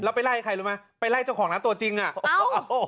แล้วไปไล่ใครรู้ไหมไปไล่เจ้าของร้านตัวจริงอ่ะอ้าว